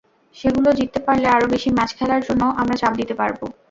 সেগুলো জিততে পারলে আরও বেশি ম্যাচ খেলার জন্য আমরা চাপ দিতে পারব।